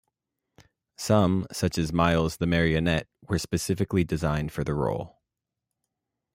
Some, such as the Miles Martinet, were specially designed for the role.